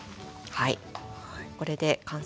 はい。